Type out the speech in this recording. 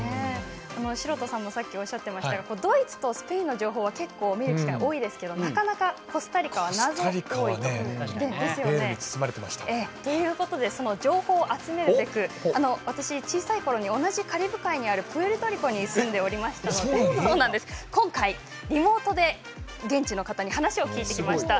城田さんもおっしゃってましたがドイツ、スペインは結構見る機会が多いですがコスタリカは謎が多いですよね。ということでその情報を集めるべく私、小さいころに同じカリブ海にあるプエルトリコに住んでおりましたので今回リモートで現地の方に話を聞いてきました。